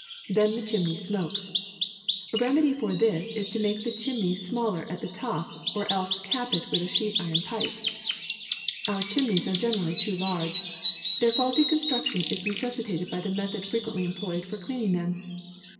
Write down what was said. Then the chimney smokes. A remedy for this is to make the chimney smaller at the top or else cap it with a sheet iron pipe. ^^Our chimneys are generally too large. Their faulty construction is necessitated by the method frequently employed for cleaning them.